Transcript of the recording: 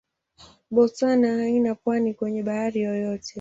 Botswana haina pwani kwenye bahari yoyote.